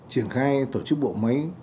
triển khai tổ chức bộ máy